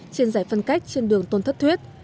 trên giải phân cách trên đường tôn thất thuyết